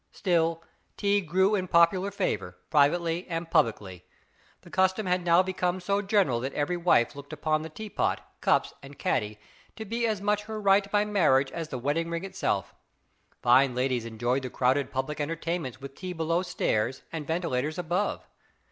Still, tea grew in popular favor, privately and publicly. The custom had now become so general that every wife looked upon the tea pot, cups, and caddy to be as much her right by marriage as the wedding ring itself. Fine ladies enjoyed the crowded public entertainments with tea below stairs and ventilators above.